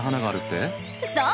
そう！